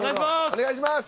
お願いします！